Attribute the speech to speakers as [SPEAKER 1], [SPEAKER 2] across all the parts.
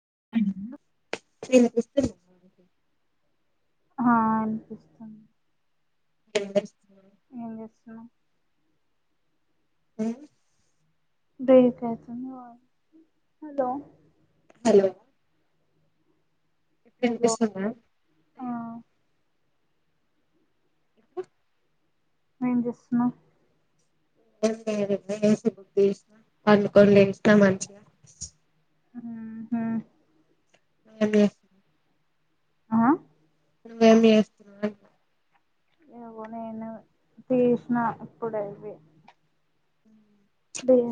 [SPEAKER 1] [unintelligible] [unintelligible]
[SPEAKER 2] అహా, అనిపిస్తుంది.
[SPEAKER 1] ఇంకేమ్, తెలుస్తుంది?
[SPEAKER 2] సా.
[SPEAKER 1] ఉమ్మ్
[SPEAKER 2] దేనికైతుందో, హలో.
[SPEAKER 1] హలో! ఇప్పుడు
[SPEAKER 2] హలో
[SPEAKER 1] ఇనిపిస్తుందా?
[SPEAKER 2] ఆ ఏం చేస్తున్నావు?
[SPEAKER 1] ఏం లేదు ఏసి బుక్ జేసినా, పండుకొని లేసిన మంచిగా.
[SPEAKER 2] ఊహూ
[SPEAKER 1] మేమే
[SPEAKER 2] ఆ
[SPEAKER 1] నీవు ఏం చేస్తున్నావు? అని
[SPEAKER 2] ఏగో, నేను తీసిన ఇప్పుడే ఇవి.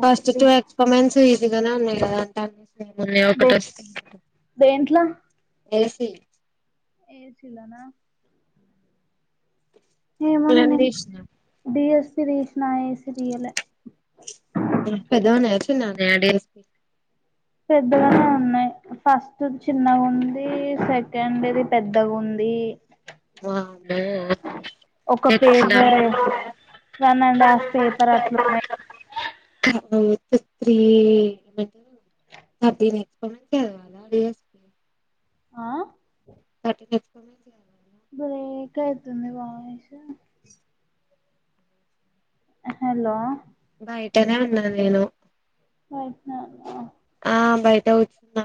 [SPEAKER 1] First two, experiments. ఈజ్ గానే ఉన్నాయి కదా, అంటాన్రు.
[SPEAKER 2] దే దేంట్ల?
[SPEAKER 1] ఏసీ
[SPEAKER 2] ఏసీలోనా?
[SPEAKER 1] నువ్వేం
[SPEAKER 2] ఇమేనేనే,
[SPEAKER 1] చేసినవ్
[SPEAKER 2] డిఎస్పి. తిరిష్ణ ఎస్‌డీఎల్‌ఏ.
[SPEAKER 1] పెద్దగా ఉన్నాయా చిన్నా? డాడి [unintelligible]
[SPEAKER 2] పెద్దగానే ఉన్నయి, ఫస్ట్‌ది చిన్నగుంది, సెకండ్‌ది పెద్దగుంది.
[SPEAKER 1] వామ్మో
[SPEAKER 2] ఒక
[SPEAKER 1] ఎట్లా
[SPEAKER 2] పేపరే, one and half paper అట్లున్నాయి.
[SPEAKER 1] [inaudible] Three ఏమంటారు, ఎక్స్‌పెరిమెంట్స్ చదవల డిఎస్పి అంటే.
[SPEAKER 2] ఆ
[SPEAKER 1] పట్టి తెచ్చుకొనైతిగ
[SPEAKER 2] బ్రేక్, అయితుంది వాయిసు.
[SPEAKER 1] ఇ
[SPEAKER 2] హలో!
[SPEAKER 1] బయటనే ఉన్నా నేను.
[SPEAKER 2] నా, ఆ.
[SPEAKER 1] ఆ, బయట కుచ్ నా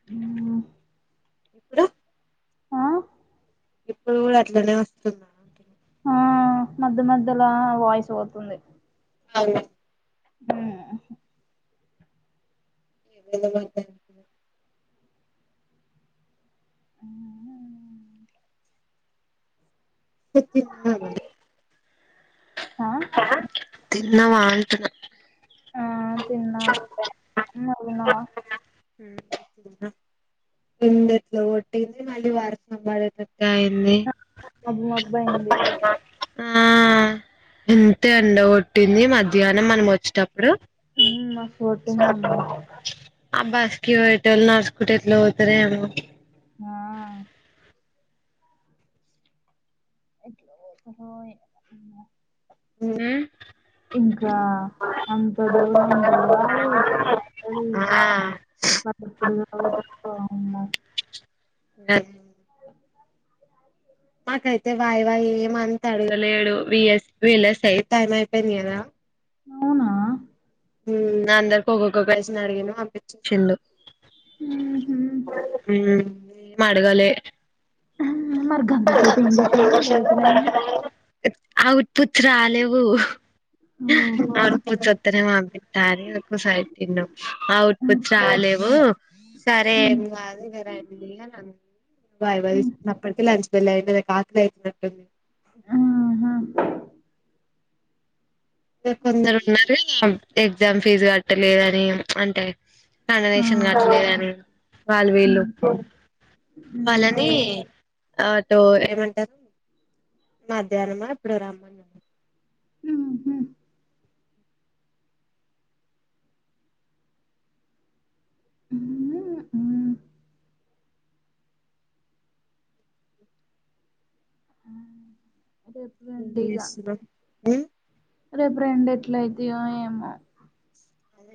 [SPEAKER 2] ఆ
[SPEAKER 1] ఇప్పుడు. ఇప్పుడు గూడ, అట్లనే వస్తున్నా అంటున్నా.
[SPEAKER 2] ఆ మధ్య మధ్యలా, వాయిస్ పోతుంది.
[SPEAKER 1] అవును.
[SPEAKER 2] మ్ హు
[SPEAKER 1] ఎవరిది పడతాది అనుకున్నావు?
[SPEAKER 2] ఆ ఆ ఆ
[SPEAKER 1] [unintelligible] ఆ తిన్నావా అంటున్నా
[SPEAKER 2] ఆ తిన్నా అప్పుడే నువ్వు తిన్నావా
[SPEAKER 1] నింద ఎట్లు ఒటింది మళ్ళీ వార సంబాద
[SPEAKER 2] అబ్బ అబ్బాయింది అంత
[SPEAKER 1] ఆ ఎంతే ఎండ కొట్టింది మధ్యాహ్నం మనం వచ్చేటప్పుడు
[SPEAKER 2] చోటిన్నామో
[SPEAKER 1] ఆ బాస్కివయిట నడుస్కుంట ఎట్లు పోతుారే అమ
[SPEAKER 2] ఆా ఎట్లా పోతారో ఏమో
[SPEAKER 1] ఏ
[SPEAKER 2] ఇంకా అంత దూరం పోవాలి అంది వా ఎప్పుడు చదువుతారుో ఉ
[SPEAKER 1] అ మాకైతే వాయి వాయి ఏమ అంత అడగలేడు వస్ వీలస్ అయి టైం అయిపోయింది కదా
[SPEAKER 2] అవునా
[SPEAKER 1] అందరిక ఒక్కొక్కొ క్వశ్చన్ అడిగా పపించించిడు
[SPEAKER 2] ఉమ్మ్
[SPEAKER 1] మడగలే
[SPEAKER 2] మరి గంతసేపు ఏం చేసిండు లేటుగా అయింది
[SPEAKER 1] అవున్ ట్ పుట్ రాలేవు
[SPEAKER 2] ఓహో
[SPEAKER 1] అవుట్ పుట్స్ వస్తనే పంపిస్తని ఒసారి తిన్న అవుట్
[SPEAKER 2] ఉమ్,
[SPEAKER 1] పట్ రాలేవు సరే
[SPEAKER 2] ఉమ్,
[SPEAKER 1] ఏం కాదు ఇంకా రండి అని వైవా
[SPEAKER 2] ఉమ్,
[SPEAKER 1] తీసుకు అప్పటికే లంచ్ పెళ్లయితనే కార్ లో ఎక్కినట్టు
[SPEAKER 2] ఉమ్ హా
[SPEAKER 1] ఇకా కొందరు ఉన్నారు కదా ఎగ్జామ్ ఫీజు కట్టలేదని ఉ చిప్ అంటే
[SPEAKER 2] ఆ,
[SPEAKER 1] డొనేషన్ కాట్టలేదుని వాళ్ళు వీళ్ళు
[SPEAKER 2] ఉమ్,
[SPEAKER 1] వాళ్ళని
[SPEAKER 2] ఉమ్,
[SPEAKER 1] అ టో ఏమంటారు మాధ్యాహ్నమా ఇప్పుడ
[SPEAKER 2] ఉమ్మ్ ఉమ్, ఉమ్. అ
[SPEAKER 1] ఏం చేస్తున్నావ్ ఉమ్
[SPEAKER 2] రేపు రెండు ఎట్ల అయితయో ఏమో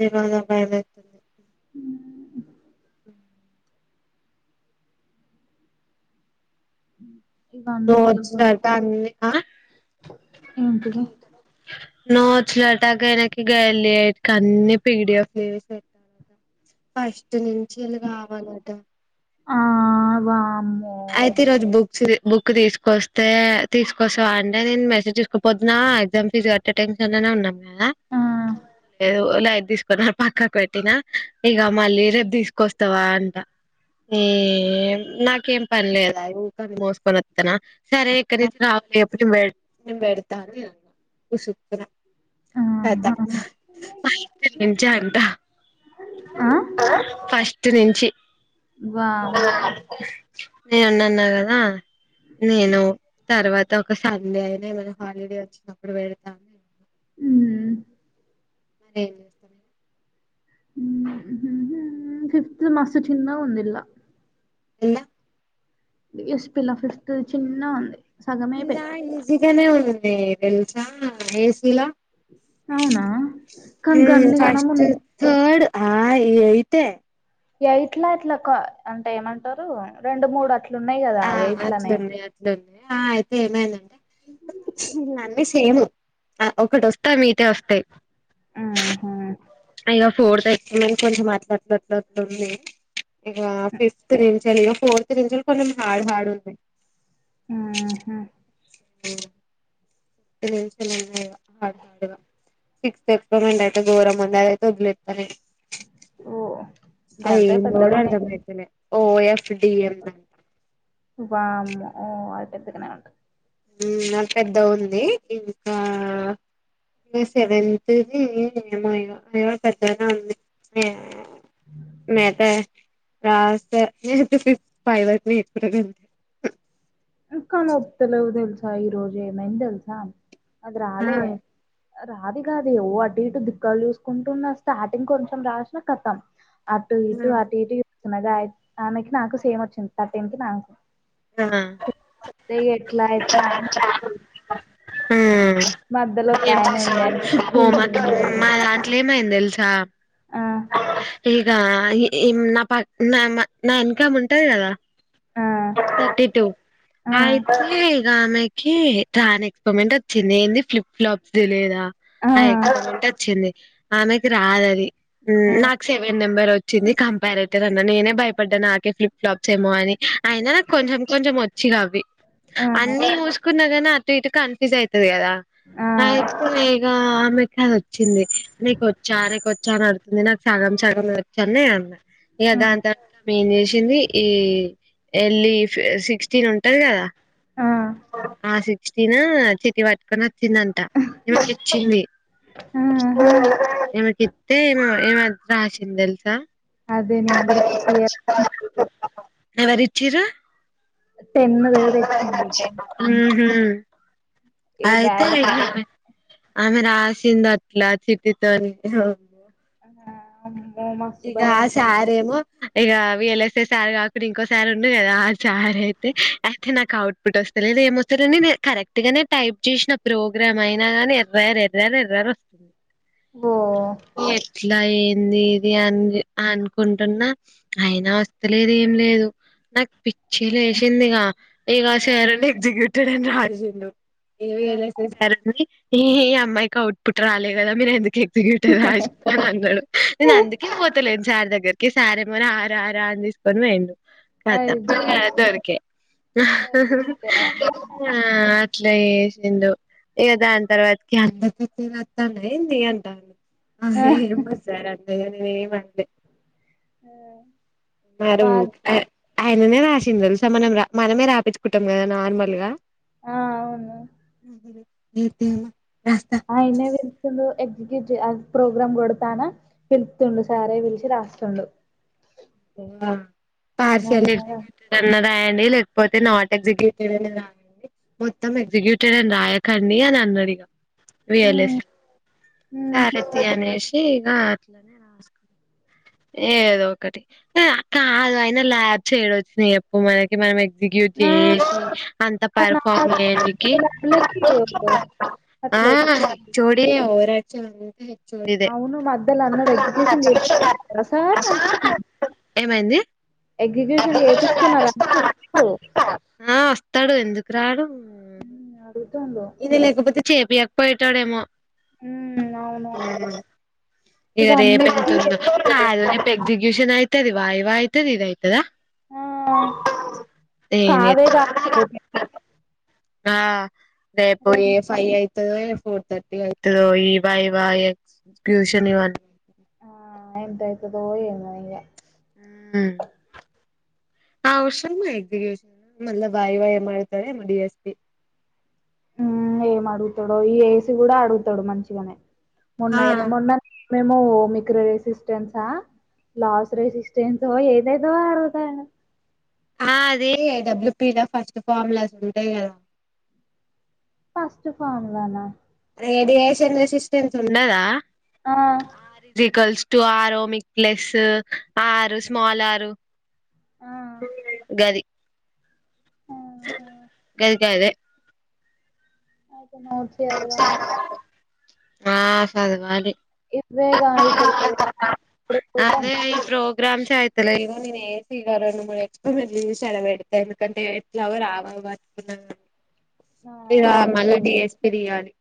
[SPEAKER 1] ఈరోజు బయలుతుంది
[SPEAKER 2] ఉమ్ ఉ
[SPEAKER 1] నోచ్చిన తరుత [unintelligible] అన్ని ఆ
[SPEAKER 2] ఏంటిది?
[SPEAKER 1] [unintelligible] గలి అన్ని పిడిఎఫ్ ఫస్ట్ నుం జలు గావాలట
[SPEAKER 2] ఆ వామ్
[SPEAKER 1] అయితే ఈ రోజు బుక్స్ బుక్ తీసుకొస్తే తీసుకొస్తావా అంటే నేను మెసేజ్ తీసుకోపోతున్నా ఎగ్జామ్ ఫీజు కట్టే టెన్షన్ లోనే ఉన్న న్న
[SPEAKER 2] ఆ,
[SPEAKER 1] ఏదో లైట్ తీసుకొని ఆ పక్కకు పెట్టిన ఇక మళ్ళీ రేపు తీసుకొ క్క వస్తావా అంట ఎమ్ నాకేం పనిలేదా ఊకె నేను మోసుకొని వస్తన్నా సరే ఇక్కడి నుంచి రావలిప్పుడు పెడతానన్నది కదక్క
[SPEAKER 2] ఆహా,
[SPEAKER 1] మా ఇంటి నుంచి అంట
[SPEAKER 2] ఆ,
[SPEAKER 1] ఫస్ట్ నుంచి
[SPEAKER 2] వామ్మో
[SPEAKER 1] అ నేన్న అన్నా కదా నేను తర్వాత ఒక సండే అయినా ఏమైనా హాలిడే వచ్చినప్పుడు వెడతా
[SPEAKER 2] హమ్
[SPEAKER 1] ఏం
[SPEAKER 2] [inaudible] ఫిఫ్త్ మస్త్ చిన్నగా ఉంది ఇందల
[SPEAKER 1] ఎన్న [unintelligible]
[SPEAKER 2] ఎస్పిలా ఫిఫ్త్ చిన్న ఉంది సగమే
[SPEAKER 1] ఇలా
[SPEAKER 2] అయిపోయింది
[SPEAKER 1] ఈజీగానే ఉ న తెలుసా ఏసీలా
[SPEAKER 2] అవునా క
[SPEAKER 1] ఉమ్
[SPEAKER 2] గన్నన్ని కనా మ
[SPEAKER 1] ఫస్ట్ థర్డ్ ఆ అయితే
[SPEAKER 2] ఎయిట్లా అట్లా అంటే ఏమంటారు రెండు మూడు అట్లా అట్లు ఉన్నాయి కదా
[SPEAKER 1] ఆ
[SPEAKER 2] ఎయిట్ నే
[SPEAKER 1] అట్లున్నాయి అట్లున్నాయి ఆ అయితే ఏమైందంటే అన్నీ సేమ్ ఒకటి వస్తా మీతేే వస్తాయి
[SPEAKER 2] ఆహా
[SPEAKER 1] ఇగ ఫోర్త్ ఎని కొంచెం మాట్లాడలట్లట్లుంది ఇ ఫిఫ్త్ ది సరగా ఫోర్త్ రేంజ్ లో కొంచం హాడ్ హాడ్ ఉన్నా్
[SPEAKER 2] ఆహా
[SPEAKER 1] ఉమ్ [unintelligible] ఉన్నాయి హార్డ్ హార్డ్ గా సిక్స్త్ ఎం అయితే గోరం ఉంది అదైతే వదిలేస్తను
[SPEAKER 2] ఓ గంతే
[SPEAKER 1] అయ్య
[SPEAKER 2] పెద్దగున్నాయి
[SPEAKER 1] [unintelligible] తేనే ఓ ఎస్ డిఎందంట
[SPEAKER 2] ఓ అయితే పెద్దకనే ఉంటుంది
[SPEAKER 1] ఉ అది పెద్దగుంది ఇంకా ఇగా సెవెన్త్ [unintelligible] ఉంది మేత రాస్తా [inaudible]
[SPEAKER 2] కనత్తలేవ్ తెలుసా ఈ రోజు ఏమైంది తెలుసా ఆది రాలే రాది కాదు ఓ అటు ఇటు దిక్కలు చూసుకుంటున్న స్టార్టింగ్ కొంచెం రాసినా కతం అటు ఇటు అటు ఇటు న్నగా ఆమెకి నాకు సేమ్ వచ్చింది థర్టీన్ [unintelligible] ఎట్లా ఎట్లా [inaudible]
[SPEAKER 1] [inaudible]
[SPEAKER 2] మధ్యలో ఒక ఆయన ఉండే చిట్టి ఉండే ఆమె దగ్గర
[SPEAKER 1] ఏమైంది తెలుసా
[SPEAKER 2] ఆ,
[SPEAKER 1] ఏ ఇ నా ప నా నా వెనుక ఆమె ఉంటది కదా
[SPEAKER 2] ఆ,
[SPEAKER 1] థర్టీ టూ
[SPEAKER 2] ఆ,
[SPEAKER 1] అయితే ఆమెకి రాని ఎక్స్పరిమెంట్ వచ్చింది ఏంది ఫ్లిప్ ఫ్లాప్స్ తెలిదా
[SPEAKER 2] ఆ,
[SPEAKER 1] అ [unintelligible] వచ్చింది ఆమెకి రాదు అది ఊ
[SPEAKER 2] ఆ,
[SPEAKER 1] నాకు సెవెన్ నెంబర్ వచ్చింది కంపారేటివ్ అన్నా నేనే భయప పడ్డా నాకే ఫ్లిప్ ప్లాప్స్ ఏమో అని అయినా కొంచెం కొంచెం వచ్చు ఇగ అవి
[SPEAKER 2] ఆ,
[SPEAKER 1] అన్నీ ముసు అనుకున్నా గానీ అటు ఇటు కన్ఫ్యూ్స్ అయినా
[SPEAKER 2] ఆ,
[SPEAKER 1] [unintelligible] ఇ ఆమెకి అది వచ్చింది నీకోచ్చా నీకు వచ్చా అని అడుతుంది నాకు సగం సగం వచ్చు అని నేను అన్న ఇగ
[SPEAKER 2] ఆ,
[SPEAKER 1] దాంతో మేము చేసింది ఈ ఎల్లి సిక్స్టీన్ ఉంటది కదా
[SPEAKER 2] ఆ,
[SPEAKER 1] ఆ సిక్స్టీన్ చిట్టి పట్టుకుని తిందంట ఈమెకి ఇచ్చింది
[SPEAKER 2] ఆహా.
[SPEAKER 1] ఈమెకి అయితే ఈమ ఈమా రాసింది తెలుసా [inaudible]
[SPEAKER 2] అదే నేను కూడా చిట్టి ఏ రాసిన రోజు.
[SPEAKER 1] ఎవరు ఇచ్చిర్రు
[SPEAKER 2] టెన్ తెచ్చిండు టెన్
[SPEAKER 1] [unintelligible]
[SPEAKER 2] ఇగ
[SPEAKER 1] ఆయితే
[SPEAKER 2] గాయ
[SPEAKER 1] [unintelligible] ఆమె రాసిందట్ల చిటీతో
[SPEAKER 2] ఆ అమ్
[SPEAKER 1] ఇకా ఆ సారేమో ఇక వీలైతే సారి కాకుండా ఇంకోసారి ఉండే కదా ఆ సారి అయితే అయితే నాకు అవుట్ ఫుట్ వస్తా లేదు ఏమొస్తాలేదు నేను కరెక్ట్ గానే టైప్ చేసిన ప్రోగ్రామ్ అయినా గాని ఎర్రర్ ఎర్రర్ ఎర్రర్ వస్తు
[SPEAKER 2] ఓ
[SPEAKER 1] ఎట్లయి [unintelligible] ఏది అనుకుంటున్నా అయినా వస్త లేదు ఏం లేదు నాకు పిచ్చి లేసిందిగా ఇక
[SPEAKER 2] ఆ
[SPEAKER 1] సార్ ఉండి ఎగ్జిక్యూటెడ్ అని రాసిండు
[SPEAKER 2] ఆ,
[SPEAKER 1] [unintelligible] ఇ అమ్మాయికి అవుట్ పుట్ రాలేదు కదా మీరు ఎందుకే [unintelligible] నేను అందుకే పోతలేను సార్ దగ్గరికి సారేమో రా రా రా అని తీసుకొని పోయిండు
[SPEAKER 2] అయ్యో, అయ్యా.
[SPEAKER 1] [unintelligible] ఏసిందో ఇక దాని తర్వాత [unintelligible] అంట అ
[SPEAKER 2] ఆ,
[SPEAKER 1] [unintelligible] సాగర్ అయో లెేవండి.
[SPEAKER 2] ఆ
[SPEAKER 1] మీరు అ ఆయననే రాసిందసల మనం రా మనమే రాయపిచ్చుకుంటాం కదా నార్మల్ గా
[SPEAKER 2] ఆ అవును
[SPEAKER 1] హ్మ్ హ్మ్మ్ ఏ తిన
[SPEAKER 2] ఆయనే పిలుస్తూడు ఎగ్ [unintelligible] ప్రోగ్రామ్ కొడతానా పిలుతుండు సారే పిలిచి రాస్తుండు
[SPEAKER 1] తినవా
[SPEAKER 2] నాది
[SPEAKER 1] పార్సల్
[SPEAKER 2] నాది
[SPEAKER 1] తన రాయడి లేకపోతే నాట్ ఎగ్జిక్యూటివ్ అని రాయడి మొత్తం ఎగ్జిక్యూటివ్ అని రాయకండి అని అన్నాడ ఇక విర్లెస్ [unintelligible] ఈ గా గట్లే రాసు ఏదో ఒకటి కాదు అయినా ల్యాబ్ చేయడం వచ్చా చెప్పు మనకి మనమే [unintelligible] అంత పర్ఫామర్ దేనికి
[SPEAKER 2] అట్లా
[SPEAKER 1] ఆ
[SPEAKER 2] చేస్తుండు.
[SPEAKER 1] చోడి ఓవరాక్ చాలుంటాయి
[SPEAKER 2] అవును మధ్యల అన్న ఎడ్యుకేషన్ రస్ సా
[SPEAKER 1] ఏమైంది
[SPEAKER 2] ఎగ్జిక్యూషన్ చేపిస్తున్నారా వచ్చిండు
[SPEAKER 1] ఆ వస్తాడు ఎందుకు రాడు ఇది లేకపోతే చేపియాక పోయిటాడే ఎమో
[SPEAKER 2] హ్మ్, అవును
[SPEAKER 1] ఆ
[SPEAKER 2] ఇక
[SPEAKER 1] ఇకా రేపే
[SPEAKER 2] అన్నిటికీ చేపిస్తారేమో
[SPEAKER 1] [unintelligible] మిషన్ అయితది వాయువుతది ఇది అయితదా
[SPEAKER 2] ఆ,
[SPEAKER 1] ఏం చే
[SPEAKER 2] కావే కావాలి
[SPEAKER 1] ఆ అదే ఏఫఐ ఫోర్ తథర్టీ అవుతదో ఇవ వైవా ఎక్స్ నివా
[SPEAKER 2] ఆ ఎంతయితదో ఏమో ఇగ
[SPEAKER 1] ఔష ఎజికష మ వాయి వాయి మతాడ డిఎస్పి
[SPEAKER 2] హ ఏం అడుగుతాడో ఈ ఏసి కూడా అడుగుతాడు మంచిగానే మన్న
[SPEAKER 1] ఆ
[SPEAKER 2] మొన్న మేము ఓమిక్రో రెసిస్టెన్సా లాస్ రెసిస్టెన్స ఏదైదో అడుగుతా
[SPEAKER 1] ఆ అదే డబ్ల్యూపీ ఫస్ట్ ఫార్ములాస్ ఉంటాయి కదా
[SPEAKER 2] ఫస్ట్ ఫార్ములా నా
[SPEAKER 1] రేడియేషన్ అసిస్టెన్స్ ఉన్నదా ఆ రది కల్సు టటు ఆరు మిక్లెస్ ఆరు స్మల్ ఆరు
[SPEAKER 2] ఆ.
[SPEAKER 1] గగాది
[SPEAKER 2] ఆహా
[SPEAKER 1] [unintelligible]
[SPEAKER 2] నోచ్చ అది కాదు
[SPEAKER 1] ఆ సదివాలి
[SPEAKER 2] ఇది బేగ అయితే బ్రేక్ పోదాం
[SPEAKER 1] గ్రామ పంచాయతీలో ఇవో నేను ఏసగారు రెండు మూడు ఎక్స్పరిమెంట్లు చీసీ పెడితే ఎందుకంటే ఎట్లా రావ పట్టుకున్నాని
[SPEAKER 2] ఆ
[SPEAKER 1] ఇద
[SPEAKER 2] గంతే
[SPEAKER 1] మల్లటి ఎస్ బిర్యానీ